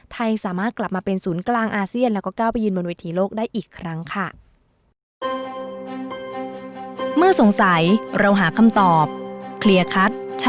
ไทยสามารถกลับมาเป็นศูนย์กลางอาเซียนแล้วก็ก้าวไปยืนบนเวทีโลกได้อีกครั้งค่ะ